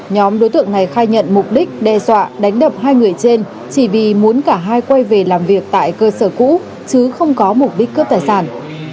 nhóm đối tượng này khai nhận mục đích đe dọa đánh đập hai người trên chỉ vì muốn cả hai quay về làm việc tại cơ sở cũ chứ không có mục đích cướp tài sản